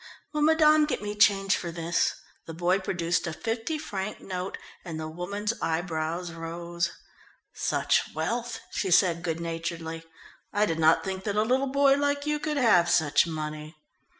"Will madame get me change for this?" The boy produced a fifty franc note, and the woman's eyebrows rose. "Such wealth!" she said good naturedly. "I did not think that a little boy like you could have such money."